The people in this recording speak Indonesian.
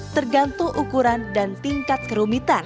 tergantung ukuran dan tingkat kerumitan